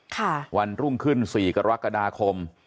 ค่ะวันรุ่งขึ้น๔กรกฎาคม